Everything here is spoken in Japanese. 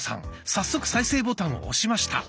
早速再生ボタンを押しました。